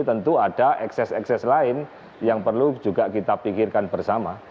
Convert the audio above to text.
tentu ada ekses ekses lain yang perlu juga kita pikirkan bersama